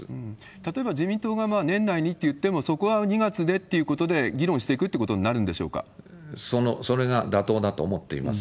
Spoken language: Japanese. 例えば、自民党が年内にと言っても、そこは２月でっていうことで議論していくってことになるんでしょそれが妥当だと思っています。